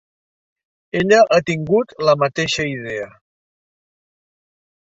Ella ha tingut la mateixa idea.